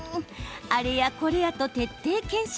あれやこれやと徹底検証。